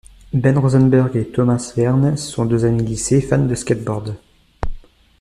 Ben Rosenberg et Thomas Verne sont deux amis de lycée, fans de skateboard.